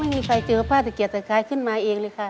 ไม่มีใครเจอผ้าตะเกียดตะกายขึ้นมาเองเลยค่ะ